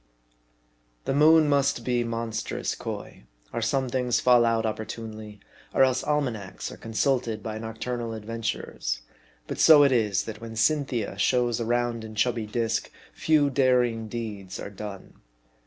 THE moon must be monstrous coy, or some things fall out opportunely, or else almanacs are consulted by noctur nal adventurers ; but so it is, that when Cynthia shows a round and chubby disk, few daring deeds are done.